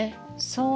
そう。